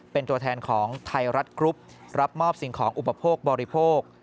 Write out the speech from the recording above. เป็นตัวแทนของไทยรัฐกรุ๊ปรับมอบสิ่งของอุปโภคบริโภค